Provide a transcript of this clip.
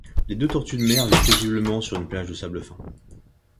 Les deux tortues de mer vivent paisiblement sur une plage de sable fin.